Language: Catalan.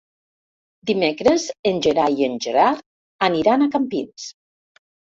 Dimecres en Gerai i en Gerard aniran a Campins.